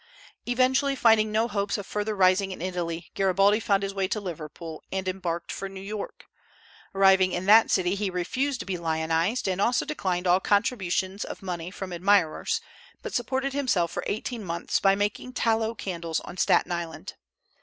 Eventually, finding no hopes of further rising in Italy, Garibaldi found his way to Liverpool, and embarked for New York. Arriving in that city he refused to be lionized, and also declined all contributions of money from admirers, but supported himself for eighteen months by making tallow candles on Staten Island.